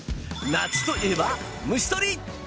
夏といえば虫とり！